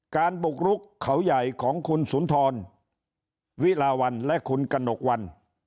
บุกรุกเขาใหญ่ของคุณสุนทรวิลาวันและคุณกระหนกวัน